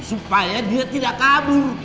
supaya dia tidak kabur